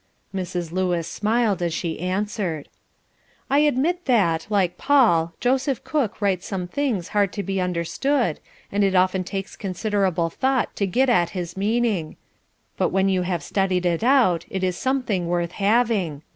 Mrs. Lewis smiled as she answered: "I admit that, like Paul, Joseph Cook writes some things hard to be understood, and it often takes considerable thought to get at his meaning, but when you have studied it out it is something worth having.